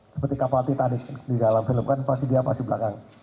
seperti kapal titanic di dalam film kan pasti dia pasti belakang